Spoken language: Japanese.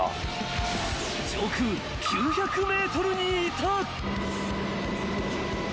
［上空９００ｍにいた］